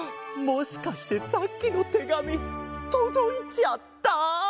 もしかしてさっきのてがみとどいちゃった？